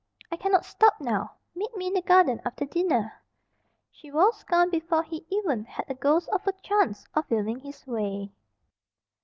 "I cannot stop now. Meet me in the garden after dinner." She was gone before he even had a ghost of a chance of feeling his way.